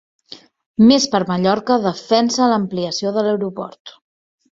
Més per Mallorca defensa l'ampliació de l'aeroport